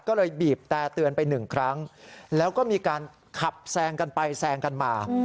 ก็เลยบีบแต่เตือนไปหนึ่งครั้งแล้วก็มีการขับแซงกันไปแซงกันมา